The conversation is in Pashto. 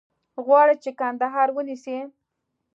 غواړي چې کندهار ونیسي.